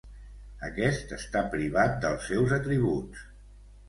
Aquest està privat dels seus atributs.